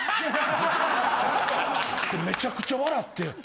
めちゃくちゃ笑って。